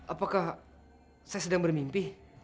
apakah saya sedang bermimpi